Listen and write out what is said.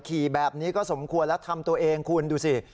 ขี่แบบนี้ก็สมควรแล้วทำตัวเองคุณดูสิ